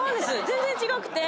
全然違くて。